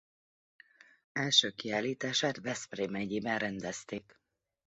Első kiállítását Veszprém megyében rendezték.